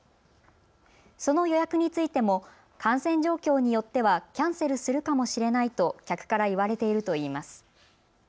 その予約についても感染状況によってはキャンセルするかもしれないと客から言われているといいます。